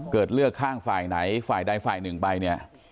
เลือกข้างฝ่ายไหนฝ่ายใดฝ่ายหนึ่งไปเนี่ย